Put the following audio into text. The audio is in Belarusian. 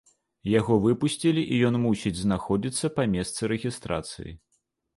Яго выпусцілі і ён мусіць знаходзіцца па месцы рэгістрацыі.